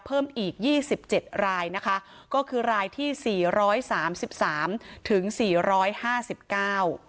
เพิ่มอีกยี่สิบเจ็ดรายนะคะก็คือรายที่สี่ร้อยสามสิบสามถึงสี่ร้อยห้าสิบเก้า